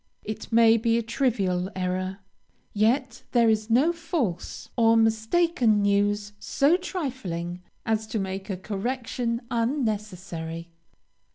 It may be a trivial error, yet there is no false or mistaken news so trifling as to make a correction unnecessary.